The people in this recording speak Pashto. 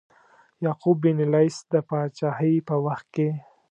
یعقوب بن لیث د پاچهۍ په وخت کې.